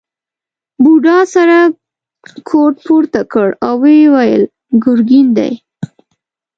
بوډا سره کوټ پورته کړ او وویل ګرګین دی.